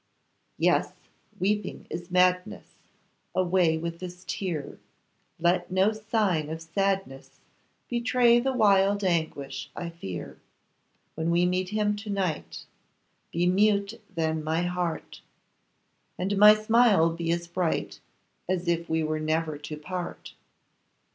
Yes, weeping is madness, Away with this tear, Let no sign of sadness Betray the wild anguish I fear. When we meet him to night, Be mute then my heart! And my smile be as bright, As if we were never to part.